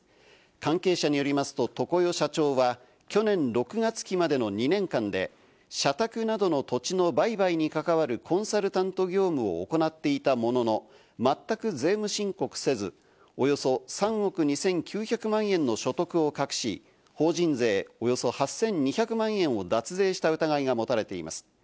関係者によりますと常世社長は去年６月期までの２年間で社宅などの土地の売買に関わるコンサルタント業務を行っていたものの、まったく税務申告せず、およそ３億２９００万円の所得を隠し、法人税およそ８２００万円を脱税した疑いが持たれています。